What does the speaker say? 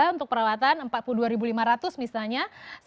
untuk perawatan empat puluh dua lima ratus misalnya